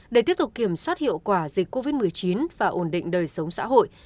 để tiếp tục kiểm soát hiệu quả dịch covid một mươi chín và ổn định đời sống xã hội